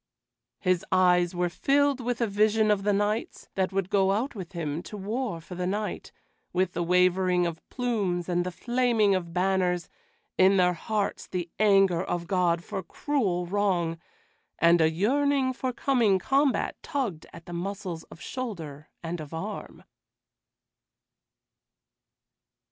His eyes were filled with a vision of the knights that would go out with him to war for the right, with the waving of plumes and the flaming of banners, in their hearts the anger of God for cruel wrong; and a yearning for coming combat tugged at the muscles of shoulder and of arm.